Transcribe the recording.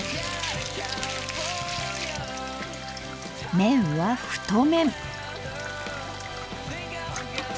麺は太麺。